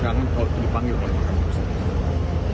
kalau dipanggil oleh pakar bersih